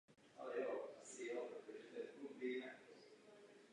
Současné psal články i pro jiné noviny.